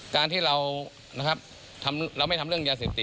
การที่เรานะครับเราไม่ทำเรื่องยาสิบติด